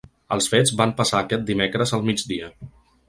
Els fets van passar aquest dimecres al migdia.